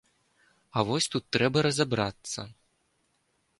А вось тут трэба разабрацца.